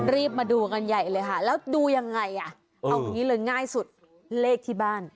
รีบมาดูกันใหญ่เลยค่ะแล้วดูยังไงอ่ะเอางี้เลยง่ายสุดเลขที่บ้าน